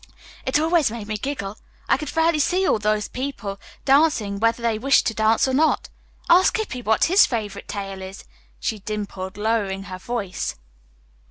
It always made me giggle. I could fairly see all those poor people dancing whether they wished to dance or not. Ask Hippy what his favorite fairy tale is," she dimpled, lowering her voice.